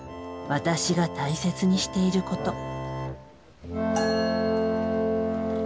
私が大切にしていること。